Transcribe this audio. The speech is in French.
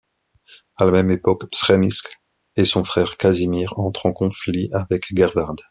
À la même époque, Przemysl et son frère Casimir entrent en conflit avec Gerward.